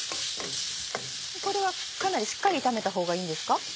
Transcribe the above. これはかなりしっかり炒めたほうがいいんですか？